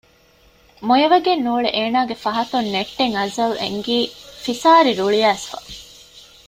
މޮޔަވެގެން ނޫޅެ އޭނާގެ ފަހަތުން ނެއްޓެން އަޒަލް އެންގީ ފިސާރި ރުޅިއައިސްފަ